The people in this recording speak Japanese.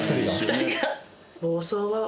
２人が。